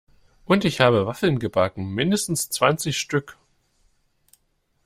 Und ich habe Waffeln gebacken, mindestens zwanzig Stück!